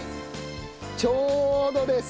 ちょうどです！